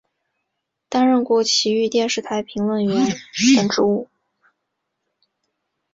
担任过崎玉电视台评论员等职务。